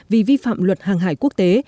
vì vi phạm luật hàng hải quốc tế